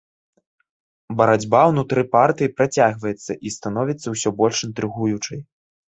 Барацьба ўнутры партыі працягваецца і становіцца ўсё больш інтрыгуючай.